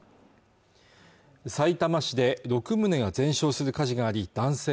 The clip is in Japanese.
さいたま市で六棟が全焼する火事があり男性